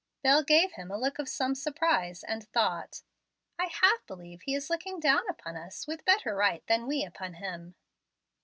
Bel gave him a look of some surprise, and thought, "I half believe he is looking down upon us with better right than we upon him."